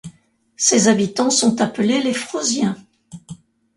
Ses habitants sont appelés les Froziens.